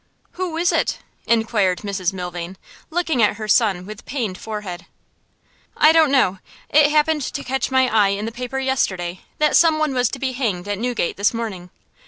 'Who is it?' inquired Mrs Milvain, looking at her son with pained forehead. 'I don't know. It happened to catch my eye in the paper yesterday that someone was to be hanged at Newgate this morning.